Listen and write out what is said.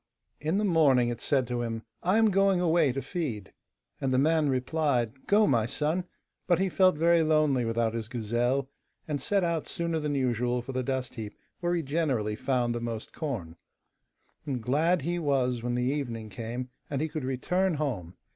In the morning it said to him, 'I am going away to feed.' And the man replied, 'Go, my son,' but he felt very lonely without his gazelle, and set out sooner than usual for the dust heap where he generally found most corn. And glad he was when the evening came, and he could return home.